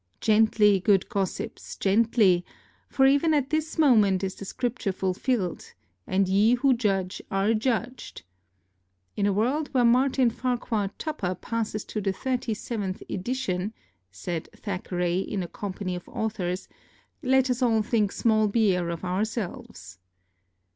Gently, good gossips! gently! for even at this moment is the Scripture fulfilled, and ye who judge are judged. "In a world where Martin Farquhar Tupper passes to the thirty seventh edition," said Thackeray, in a company of authors, "let us all think small beer of ourselves."